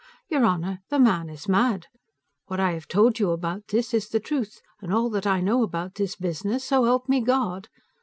Your honor, the man is mad. What I have told you about this is the truth, and all that I know about this business, so help me God.